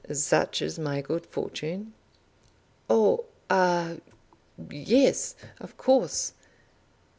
"Such is my good fortune." "Oh ah, yes; of course.